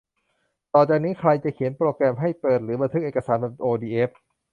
ต่อจากนี้ ใครจะเขียนโปรแกรมให้เปิดหรือบันทึกเอกสารแบบโอดีเอฟ